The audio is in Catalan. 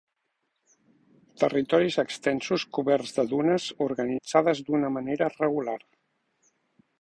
Territoris extensos coberts de dunes organitzades d'una manera regular.